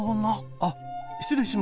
あっ失礼しました。